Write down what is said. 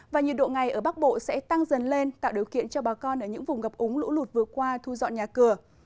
và nhiệt độ ngày ở bắc bộ sẽ tăng dần lên tạo điều kiện cho bà con ở những vùng ngập úng lũ lụt vừa qua thu dọn nhà cửa